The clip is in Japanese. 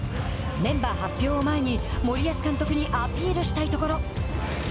メンバー発表を前に森保監督にアピールしたいところ。